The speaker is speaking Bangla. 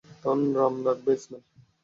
তার নাম রাখবে ইসমাঈল।